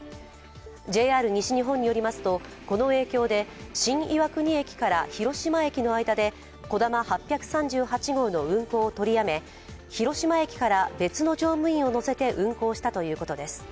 ＪＲ西日本によりますとこの影響で新岩国駅から広島駅の間で「こだま８３８号」の運行を取りやめ広島駅から別の乗務員を乗せて運行したということです。